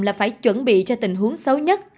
là phải chuẩn bị cho tình huống xấu nhất